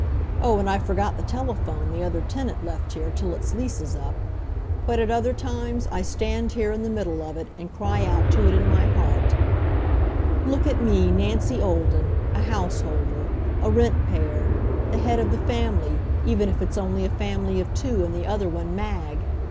Oh, and I forgot the telephone the other tenant left here till its lease is up. But at other times I stand here in the middle of it and cry out to it, in my heart: "Look at me, Nancy Olden, a householder, a rent payer, the head of the family, even if it's only a family of two and the other one Mag!